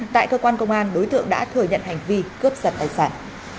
tại cơ quan công an đối tượng đã thừa nhận hành vi cướp giật tài sản